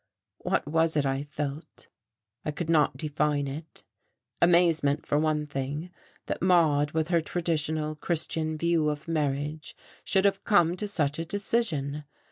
What was it I felt? I could not define it. Amazement, for one thing, that Maude with her traditional, Christian view of marriage should have come to such a decision.